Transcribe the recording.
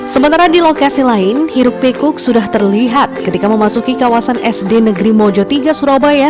sementara di lokasi lain hirup pikuk sudah terlihat ketika memasuki kawasan sd negeri mojo tiga surabaya